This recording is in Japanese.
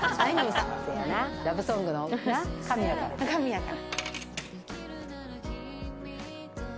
ラブソングの神やから。